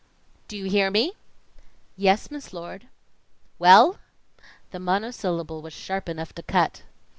"Do you hear me?" "Yes, Miss Lord." "Well?" The monosyllable was sharp enough to cut.